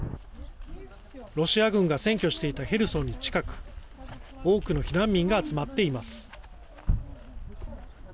ロシア軍が占拠していたヘルソンに近く多くの避難民が集まっています。